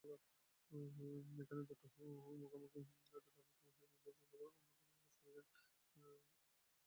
এখানে দুটি হাত মুখোমুখি রেখে নিজের চিন্তার ভগ্নদশা প্রকাশ করেছেন শিল্পী।